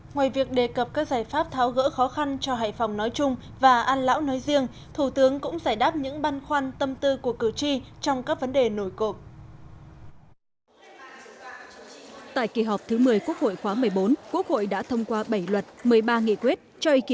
ngoài việc đề cập các giải pháp tháo gỡ khó khăn cho hải phòng nói chung và an lão nói riêng thủ tướng cũng giải đáp những băn khoăn tâm tư của cử tri trong các vấn đề nổi cộng